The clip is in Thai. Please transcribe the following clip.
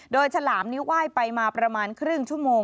โดยฉลามนิ้วไหว้ไปมาประมาณครึ่งชั่วโมง